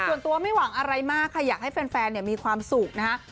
ส่วนตัวไม่หวังอะไรมากค่ะอยากให้แฟนมีความสุขนะคะ